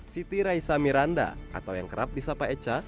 siti raisa miranda atau yang kerap disapa eca